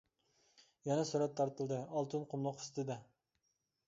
يەنە سۈرەت تارتىلدى، ئالتۇن قۇملۇق ئۈستىدە.